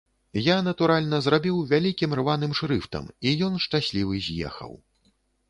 Я, натуральна, зрабіў вялікім рваным шрыфтам, і ён, шчаслівы, з'ехаў.